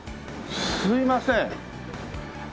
すみません。